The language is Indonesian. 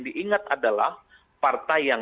diingat adalah partai yang